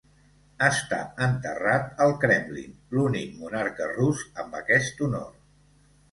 Està enterrat al Kremlin, l'únic monarca rus amb aquest honor.